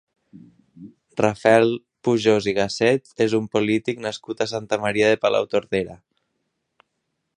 Rafael Pujós i Gasset és un polític nascut a Santa Maria de Palautordera.